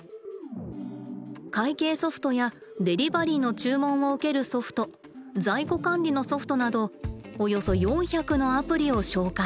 会計ソフトやデリバリーの注文を受けるソフト在庫管理のソフトなどおよそ４００のアプリを紹介。